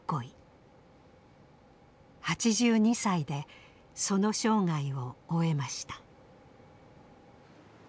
８２歳でその生涯を終えました。